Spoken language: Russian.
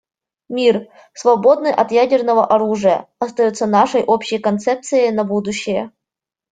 Мир, свободный от ядерного оружия, остается нашей общей концепцией на будущее.